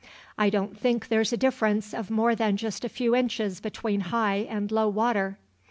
I don't think there's a difference of more than just a few inches between high and low water."